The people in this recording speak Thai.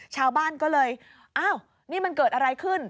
ชาวบ้านก็เลยอ้าวนี่มันเกิดอะไรขึ้น